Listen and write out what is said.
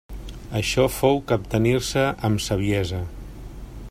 Això fou captenir-se amb saviesa.